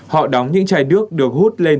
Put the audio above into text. họ đóng những chai nước được hút lên